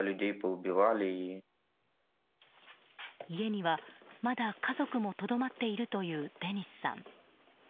家には、まだ家族もとどまっているというデニスさん。